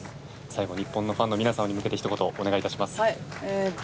最後に日本のファンの皆様に向けてひと言お願いします。